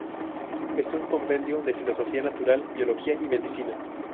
Es un compendio de Filosofía natural, Biología y Medicina.